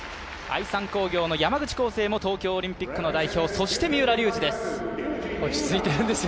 山口浩勢も東京オリンピックの代表そして三浦龍司です。